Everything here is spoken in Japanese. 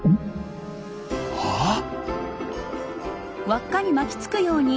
あっ！